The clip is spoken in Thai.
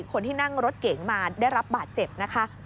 คนที่นั่งรถเก๋งมาได้รับบาดเจ็บนะคะ